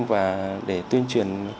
và để tuyên truyền